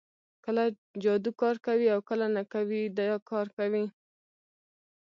کله جادو کار کوي او کله نه کوي دا کار کوي